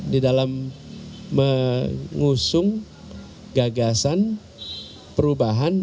di dalam mengusung gagasan perubahan